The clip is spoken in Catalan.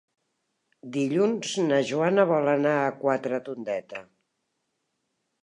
Dilluns na Joana vol anar a Quatretondeta.